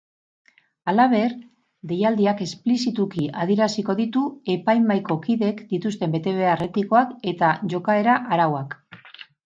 Halaber, deialdiak esplizituki adieraziko ditu epaimahaiko kideek dituzten betebehar etikoak eta jokaera-arauak.